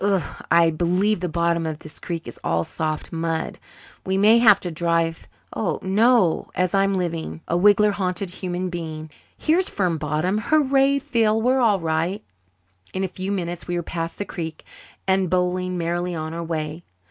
Ugh! I believe the bottom of this creek is all soft mud. We may have to drive no, as I'm a living, wiggler haunted human being, here's firm bottom. Hurrah, Phil, we're all right!" In a few minutes we were past the creek and bowling merrily on our way.